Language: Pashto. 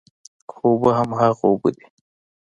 خو اوبه هماغه اوبه دي.